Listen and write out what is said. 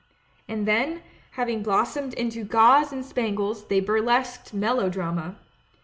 And then, having blossomed into gauze and span gles, they burlesqued melodrama.